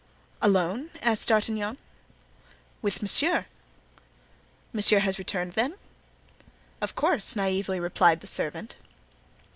"Alone?" asked D'Artagnan. "With monsieur." "Monsieur has returned, then?" "Of course," naively replied the servant.